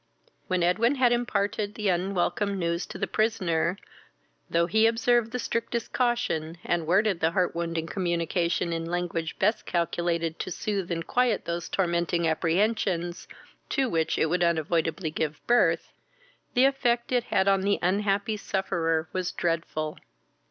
When Edwin had imparted the unwelcome news to the prisoner, though he observed the strictest caution, and worded the heart wounding communication in language best calculated to sooth and quiet those tormenting apprehensions, to which it would unavoidably give birth, the effect it had on the unhappy sufferer was dreadful.